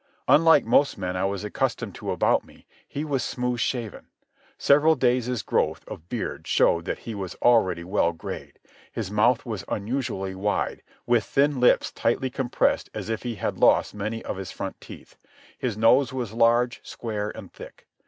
Unlike most men I was accustomed to about me, he was smooth shaven. Several days' growth of beard showed that he was already well grayed. His mouth was unusually wide, with thin lips tightly compressed as if he had lost many of his front teeth. His nose was large, square, and thick.